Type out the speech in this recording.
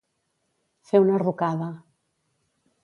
Fer una rucada.